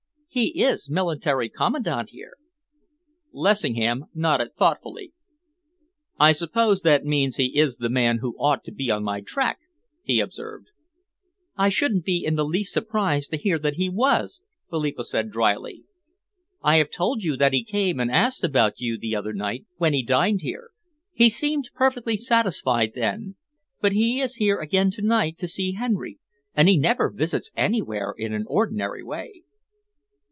"He is military commandant here." Lessingham nodded thoughtfully. "I suppose that means that he is the man who ought to be on my track," he observed. "I shouldn't be in the least surprised to hear that he was," Philippa said drily. "I have told you that he came and asked about you the other night, when he dined here. He seemed perfectly satisfied then, but he is here again to night to see Henry, and he never visits anywhere in an ordinary way."